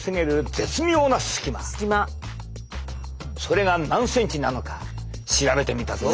それが何ｃｍなのか調べてみたぞ！